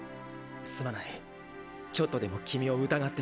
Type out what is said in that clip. すまないちょっとでも君を疑ってしまって。